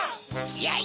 やい！